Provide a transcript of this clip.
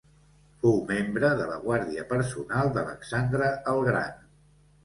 Fou membre de la guàrdia personal d'Alexandre el Gran.